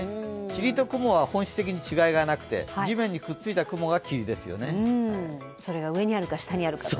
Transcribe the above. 霧と雲は本質的に違いはなくて地面にくっついた雲が霧ですよね。